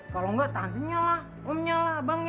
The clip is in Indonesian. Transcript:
kalau enggak tahannya lah omnya lah abangnya